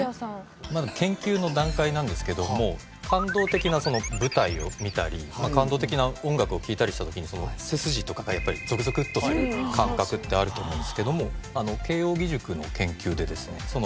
まだ研究の段階なんですけども感動的な舞台を見たり感動的な音楽を聴いたりした時に背筋とかがやっぱりゾクゾクッとする感覚ってあると思うんですけども慶應義塾の研究でですね